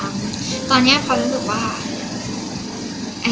สิ่งที่อยากจะทำตอนนี้คนรู้สึกว่า